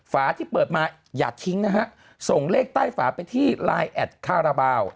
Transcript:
ฝาที่เปิดมาอย่าทิ้งนะฮะส่งเลขใต้ฝาไปที่ไลน์แอดคาราบาล